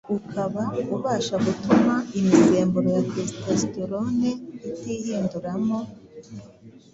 ukaba ubasha gutuma imisemburo ya testosterone itihinduramo